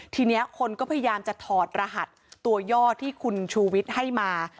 ทีนี้คนก็พยายามจะถอดรหัสตัวย่อที่คุณชูวิทย์ให้มา